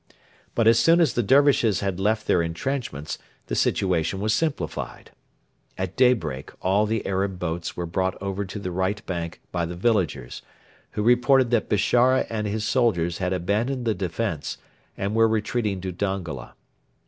But as soon as the Dervishes had left their entrenchments the situation was simplified. At daybreak all the Arab boats were brought over to the right bank by the villagers, who reported that Bishara and his soldiers had abandoned the defence and were retreating to Dongola.